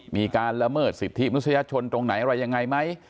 มีการละเมิดสิทธิมนุษยชนตรงไหนอะไรยังไงไหม